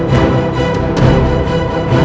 gelar putra mahkota